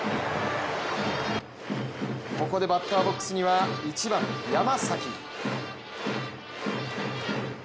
ここでバッターボックスには１番・山崎。